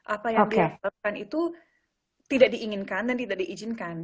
apa yang dilakukan itu tidak diinginkan dan tidak diizinkan